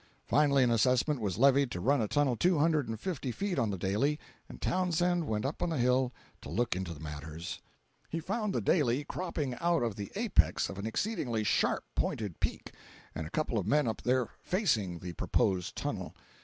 Finally an assessment was levied to run a tunnel two hundred and fifty feet on the Daley, and Townsend went up on the hill to look into matters. He found the Daley cropping out of the apex of an exceedingly sharp pointed peak, and a couple of men up there "facing" the proposed tunnel.